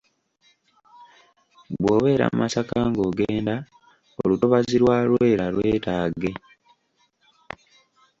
"Bw’obeera Masaka ng’ogenda, olutobazi lwa Lwera lwetaage."